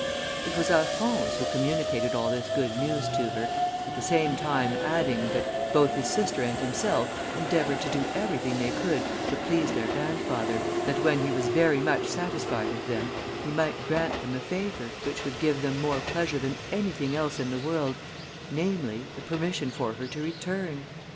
It was Alphonse who communicated all this good news to her, at the same time adding, that both his sister and himself endeavoured to do everything they could to please their grandfather, that when he was very much satisfied with them, he might grant them a favour, which would give them more pleasure than anything else in the world, namely, the permission for her to return.